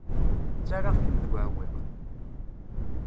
Ttarraɣ-kem deg uɛewwiq.